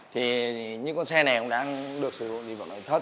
thì những con xe này cũng đang được sử dụng dịch vụ lưỡi thất